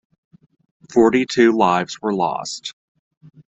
Forty-two lives were lost.